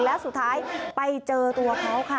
และสุดท้ายไปเจอตัวเขา